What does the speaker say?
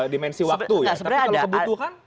dimensi waktu ya tapi kalau kebutuhan